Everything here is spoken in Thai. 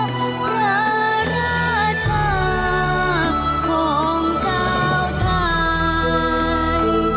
ว่าราชาของเจ้าทัน